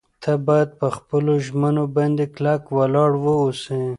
ته باید په خپلو ژمنو باندې کلک ولاړ واوسې.